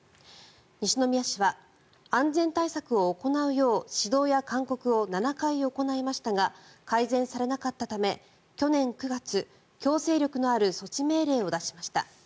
西宮市は安全対策を行うよう指導や勧告を７回行いましたが改善されなかったため去年９月、強制力のある措置命令を出しました。